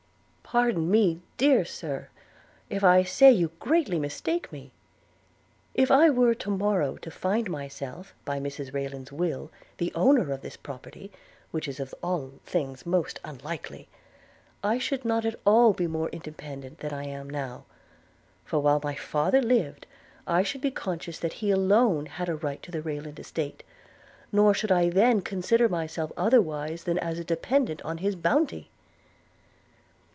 'Pardon me, dear Sir! if I say you greatly mistake me. If I were to morrow to find myself, by Mrs Rayland's will, the owner of this property, which is of all things the most unlikely, I should not be at all more independent than I am now; for, while my father lived, I should be conscious that he alone had a right to the Rayland estate; nor should I then consider myself otherwise than as a dependent on his bounty.'